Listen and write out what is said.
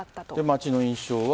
街の印象は。